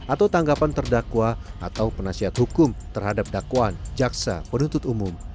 atau tanggapan terdakwa atau penasihat hukum terhadap dakwaan jaksa penuntut umum